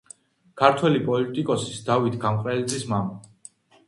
ქართველი პოლიტიკოსის დავით გამყრელიძის მამა.